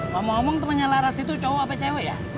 ngomong ngomong temennya laras itu cowo apa cewek ya